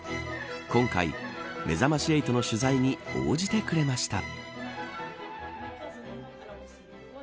今回、めざまし８の取材に応じてくれました。